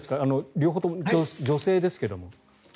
両方とも女性ですけども。